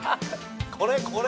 これこれ！